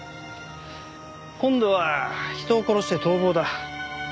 今度は人を殺して逃亡だ。